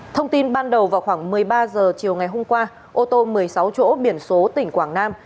thông tin ban đầu vào khoảng một mươi ba h chiều ngày hôm qua ô tô một mươi sáu chỗ biển số tỉnh quảng nam